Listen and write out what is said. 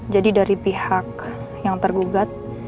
jadi dari pihak yang tergugat